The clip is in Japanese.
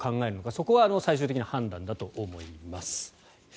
そこは最終的な判断だと思います。